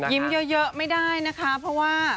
เยอะไม่ได้นะคะเพราะว่า